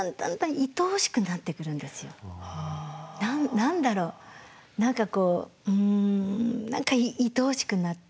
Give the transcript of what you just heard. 何だろう何かこううん何かいとおしくなって。